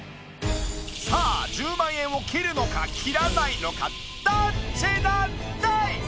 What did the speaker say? さあ１０万円を切るのか切らないのかどっちなんだい！？